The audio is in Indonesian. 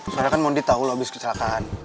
soalnya kan mondi tau lu abis kecelakaan